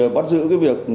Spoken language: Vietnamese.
bắt giữ cái việc